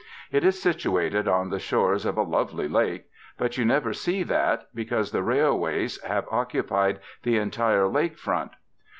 It is situated on the shores of a lovely lake; but you never see that, because the railways have occupied the entire lake front.